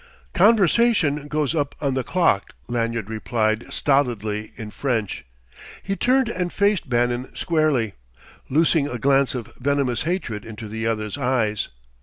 "Conversation goes up on the clock," Lanyard replied stolidly in French. He turned and faced Bannon squarely, loosing a glance of venomous hatred into the other's eyes.